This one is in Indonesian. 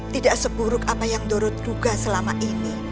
tidak seburuk apa yang doro tergugah selama ini